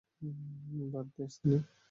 বাদ দে, সানী।